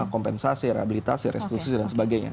kompensasi rehabilitasi restitusi dan sebagainya